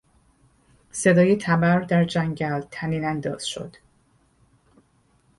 صدای تبر در جنگل طنین انداز شد.